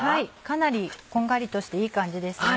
かなりこんがりとしていい感じですね。